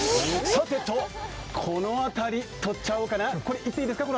さてと、この辺り、とっちゃおうかな。